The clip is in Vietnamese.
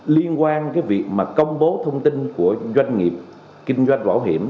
liên quan việc công bố thông tin của doanh nghiệp kinh doanh bảo hiểm